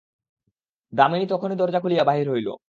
দামিনী তখনই দরজা খুলিয়া বাহির হইল।